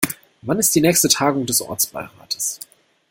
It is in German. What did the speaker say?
Wann ist die nächste Tagung des Ortsbeirates?